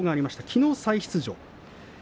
きのう再出場。